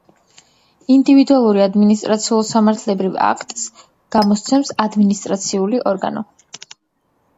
ინდივიდუალური ადმინისტრაციულ-სამართლებრივ აქტს გამოსცემს ადმინისტრაციული ორგანო.